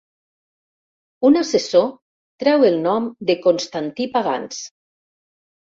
Un assessor treu el nom de Constantí Pagans.